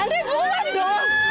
andre berbual dong